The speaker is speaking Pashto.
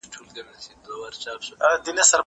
زه هره ورځ کار کوم؟!